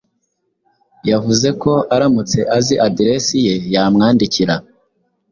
Yavuze ko aramutse azi aderesi ye, yamwandikira.